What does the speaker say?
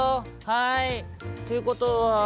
「はいっていうことは」。